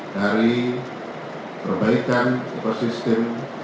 dari perbaikan ekosistem